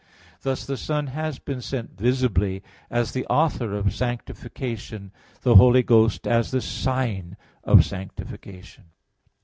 Thus the Son has been sent visibly as the author of sanctification; the Holy Ghost as the sign of sanctification.